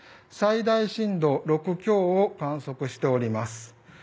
最大震度６強を観測しております。